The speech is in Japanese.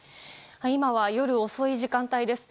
今は夜遅い時間帯です。